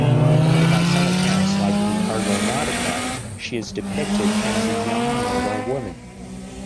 By some accounts, like the "Argonautica", she is depicted as a young, mortal woman.